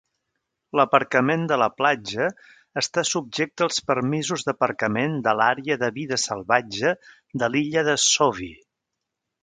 L'aparcament de la platja està subjecte als permisos d'aparcament de l'àrea de vida salvatge de l'illa de Sauvie.